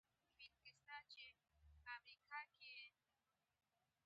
د افغانستان طبیعت له بزګان څخه جوړ شوی دی.